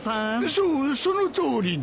そうそのとおりだ。